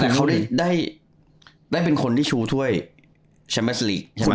เค้าได้เป็นคนที่ชูด้วยเชมเปสลีกใช่ไหม